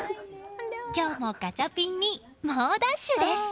今日もガチャピンに猛ダッシュです！